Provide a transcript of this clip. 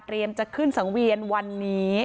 เตรียมจะขึ้นสังเวียนวันนี้